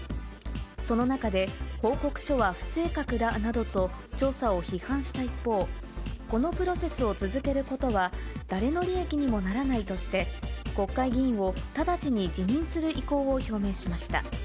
その中で、報告書は不正確だなどと、調査を批判した一方、このプロセスを続けることは誰の利益にもならないとして、国会議員を直ちに辞任する意向を表明しました。